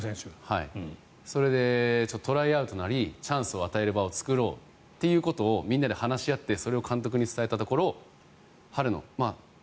それでトライアウトなりチャンスを与える場を作ろうということをみんなで話し合ってそれを監督に伝えたところ運